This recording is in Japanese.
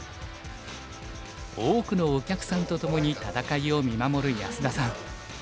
多くのお客さんとともに戦いを見守る安田さん。